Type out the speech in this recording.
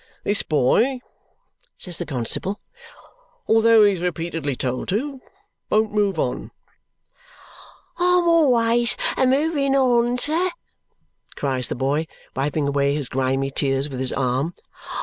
"This boy," says the constable, "although he's repeatedly told to, won't move on " "I'm always a moving on, sar," cries the boy, wiping away his grimy tears with his arm.